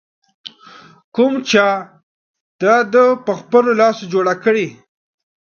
کوم چا د ده پر خپلو لاسونو جوړه کړې